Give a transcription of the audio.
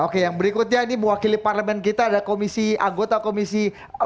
oke yang berikutnya ini mewakili parlemen kita ada komisi anggota komisi tiga